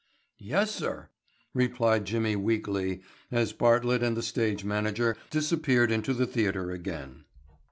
"Yes, sir," replied Jimmy weakly as Bartlett and the stage manager disappeared into the theatre again.